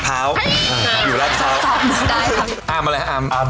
สวัสดีคร้าบ